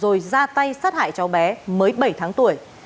rồi ra tay sát hại cháu bé mới bảy tháng tuổi